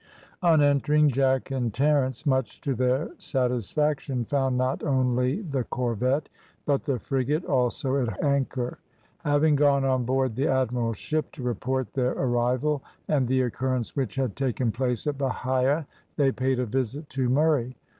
On entering, Jack and Terence, much to their satisfaction, found not only the corvette but the frigate also at anchor. Having gone on board the admiral's ship to report their arrival and the occurrence which had taken place at Bahia, they paid a visit to Murray.